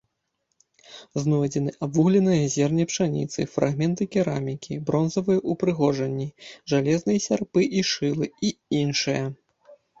Знойдзены абвугленае зерне пшаніцы, фрагменты керамікі, бронзавыя ўпрыгожанні, жалезныя сярпы і шылы і іншае.